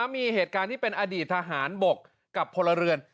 มีเหตุการณ์ที่เป็นอดีตทหารบกกับพลเรือน